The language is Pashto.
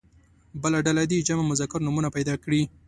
بله ډله دې جمع مذکر نومونه پیدا کړي.